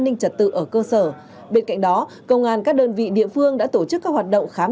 an ninh trật tự ở cơ sở bên cạnh đó công an các đơn vị địa phương đã tổ chức các hoạt động khám